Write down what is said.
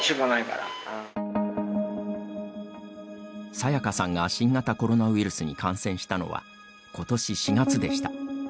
さやかさんが新型コロナウイルスに感染したのは、ことし４月でした。